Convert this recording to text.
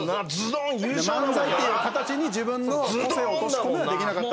漫才っていう形に自分の個性を落とし込めはできなかった。